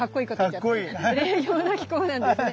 冷涼な気候なんですね。